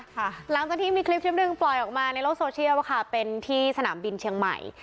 หลังจากที่มีคลิปคลิปหนึ่งปล่อยออกมาในโลกโซเชียลค่ะเป็นที่สนามบินเชียงใหม่